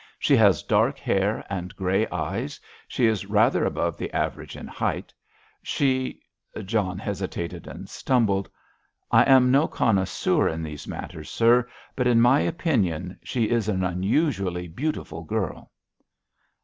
She has dark hair and grey eyes. She is rather above the average in height. She——" John hesitated and stumbled. "I am no connoisseur in these matters, sir, but in my opinion she is an unusually beautiful girl."